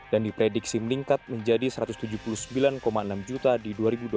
dan diprediksi meningkat menjadi satu ratus tujuh puluh sembilan enam juta di dua ribu dua puluh enam